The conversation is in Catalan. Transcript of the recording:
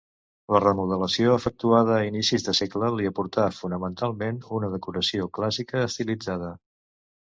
La remodelació efectuada a inicis de segle li aportà fonamentalment una decoració clàssica estilitzada.